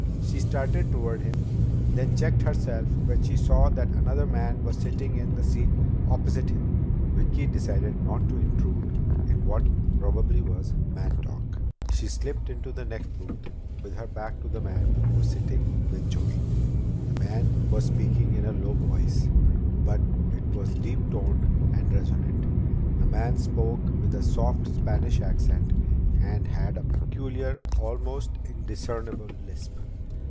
She started toward him, then checked herself when she saw that another man was sitting in the seat opposite him. Vicki decided not to intrude in what probably was "man talk." She slipped into the next booth, with her back to the man who was sitting with Joey. [Illustration: Vicki decided not to intrude] The man was speaking in a low voice, but it was deep toned and resonant. The man spoke with a soft Spanish accent, and had a peculiar, almost indiscernible, lisp.